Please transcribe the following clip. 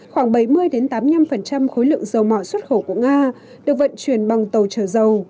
khoảng bảy mươi tám mươi năm khối lượng dầu mỏ xuất khẩu của nga được vận chuyển bằng giao thông